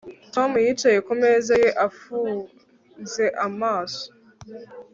Tom yicaye ku meza ye afunze amaso